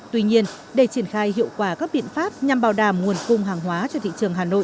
tuy nhiên để triển khai hiệu quả các biện pháp nhằm bảo đảm nguồn cung hàng hóa cho thị trường hà nội